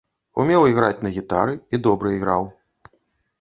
Умеў іграць на гітары і добра іграў.